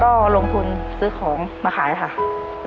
ก็ลงทุนซื้อของมาขายค่ะ